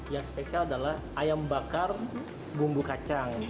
yang spesial adalah ayam bakar bumbu kacang